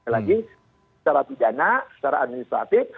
lagi secara pidana secara administratif